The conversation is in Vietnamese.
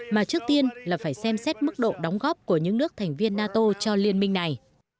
mà trước tiên là phải xem xét mức độ đóng góp của những nước thành viên nato cho liên minh này